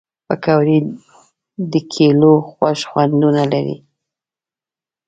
پکورې د کلیو خوږ خوندونه لري